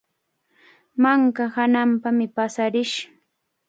Manka hananpami paasarish.